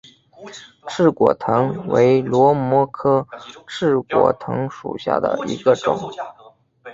翅果藤为萝藦科翅果藤属下的一个种。